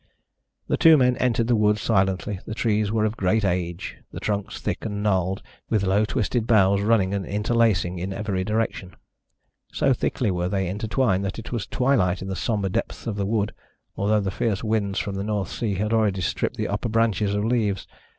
The two men entered the wood silently. The trees were of great age, the trunks thick and gnarled, with low twisted boughs, running and interlacing in every direction. So thickly were they intertwined that it was twilight in the sombre depths of the wood, although the fierce winds from the North Sea had already stripped the upper branches of leaves.